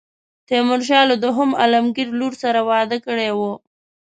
تیمورشاه له دوهم عالمګیر لور سره واده کړی وو.